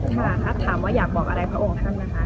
ค่ะถามว่าอยากบอกอะไรพระองค์ท่านไหมคะ